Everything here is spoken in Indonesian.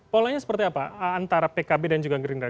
polanya seperti apa antara pkb dan juga gerindra